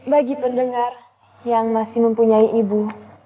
bagi pendengar yang masih mempunyai ibu